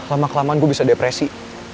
lama kelamaan gue bisa depresi